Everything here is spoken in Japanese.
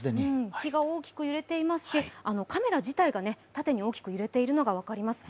木が大きく揺れていますしカメラ自体が縦に大きく揺れているのが分かります。